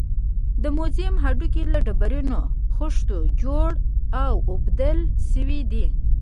د موزیم هډوکي له ډبرینو خښتو جوړ او اوبدل شوي دي.